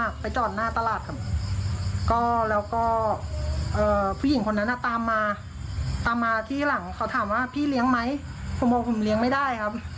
แล้วก็ผู้หญิงคนนั้นอ่ะตามมาตามมาที่หลังเขาถามว่าพี่เลี้ยงไหมผมบอกผมเลี้ยงไม่ได้ครับ